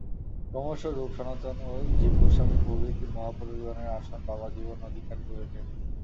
ক্রমশ রূপ-সনাতন ও জীবগোস্বামী প্রভৃতি মহাপুরুষগণের আসন বাবাজীবন অধিকার করিলেন।